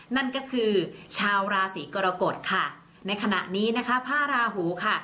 นั่นก็คือชาวราศีกรกฎค่ะในขณะนี้นะคะผ้าราหูค่ะ